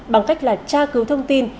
bằng cách là tra cứu thông tin